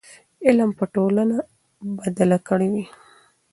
علم به ټولنه بدله کړې وي.